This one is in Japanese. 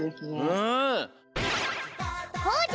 うん！